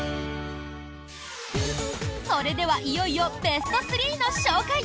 それでは、いよいよベスト３の紹介！